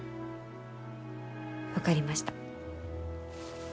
分かりました。